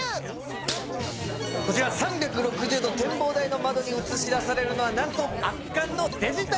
こちら３６０度展望台の窓に映し出されるのは何と圧巻のデジタル花火です。